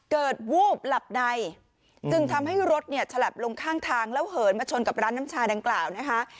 วูบหลับในจึงทำให้รถเนี่ยฉลับลงข้างทางแล้วเหินมาชนกับร้านน้ำชาดังกล่าวนะคะ